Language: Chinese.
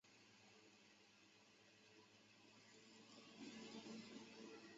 但本次流行事件死者最多的却是青壮年。